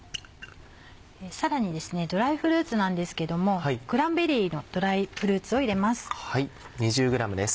さらにドライフルーツなんですけどもクランベリーのドライフルーツを入れます。